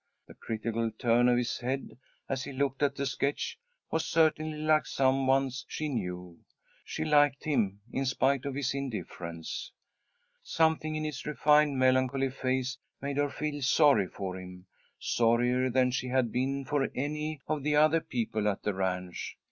The critical turn of his head, as he looked at the sketch, was certainly like some one's she knew. She liked him in spite of his indifference. Something in his refined, melancholy face made her feel sorry for him; sorrier than she had been for any of the other people at the ranch.